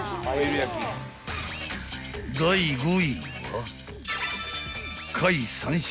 ［第５位は］